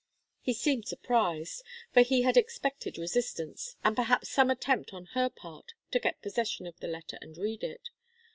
He seemed surprised, for he had expected resistance, and perhaps some attempt on her part to get possession of the letter and read it.